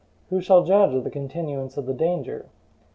Who shall judge of the continuance of the danger?